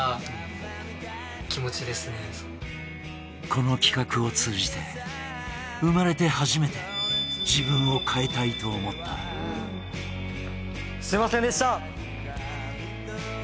この企画を通じて生まれて初めて自分を変えたいと思ったすみませんでした